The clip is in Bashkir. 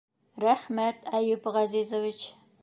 Рәхмәт, Әйүп Ғәзизович.